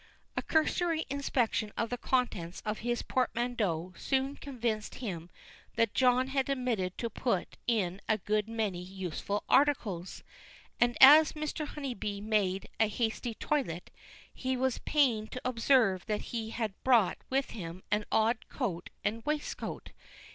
A cursory inspection of the contents of his portmanteau soon convinced him that John had omitted to put in a good many useful articles; and as Mr. Honeybee made a hasty toilette, he was pained to observe that he had brought with him an odd coat and waistcoat.